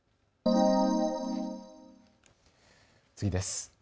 次です。